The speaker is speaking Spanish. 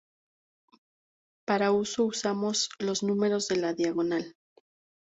Para eso usamos los números de la diagonal.